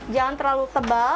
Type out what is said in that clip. jangan terlalu tebal